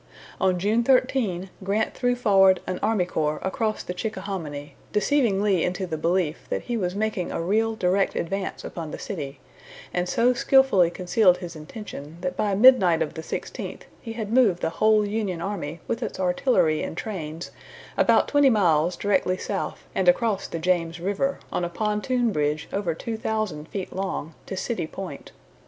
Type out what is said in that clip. On June 13, Grant threw forward an army corps across the Chickahominy, deceiving Lee into the belief that he was making a real direct advance upon the city; and so skilfully concealed his intention that by midnight of the sixteenth he had moved the whole Union army with its artillery and trains about twenty miles directly south and across the James River, on a pontoon bridge over two thousand feet long, to City Point.